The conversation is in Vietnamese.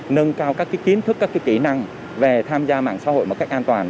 nâng cao các kiến thức các kỹ năng về tham gia mạng xã hội một cách an toàn